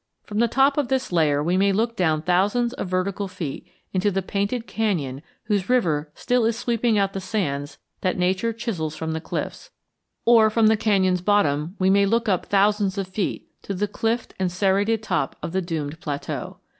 From the top of this layer we may look down thousands of vertical feet into the painted canyon whose river still is sweeping out the sands that Nature chisels from the cliffs; or from the canyon's bottom we may look up thousands of feet to the cliffed and serrated top of the doomed plateau.